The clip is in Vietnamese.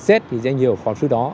xét thì danh hiệu phó giáo sư đó